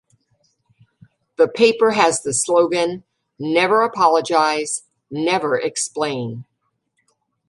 The paper has the slogan "Never Apologise, Never Explain!".